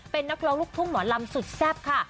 เป็นนักร้องลูกทุ่งหมอลำสุดแซ่บค่ะ